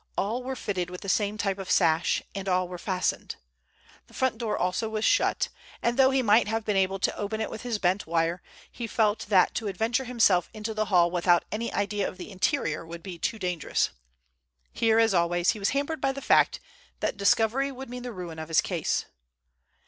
All were fitted with the same type of sash, and all were fastened. The front door also was shut, and though he might have been able to open it with his bent wire, he felt that to adventure himself into the hall without any idea of the interior would be too dangerous. Here, as always, he was hampered by the fact that discovery would mean the ruin of his case.